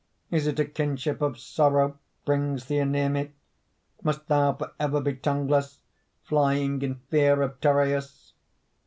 Is it a kinship of sorrow Brings thee anear me? Must thou forever be tongueless, Flying in fear of Tereus?